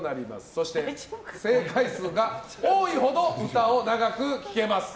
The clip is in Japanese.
そして正解数が多いほど歌を長く聴けます。